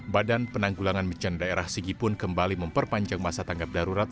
badan penanggulangan bencana daerah sigi pun kembali memperpanjang masa tanggap darurat